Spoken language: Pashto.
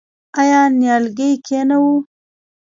آیا نیالګی کینوو؟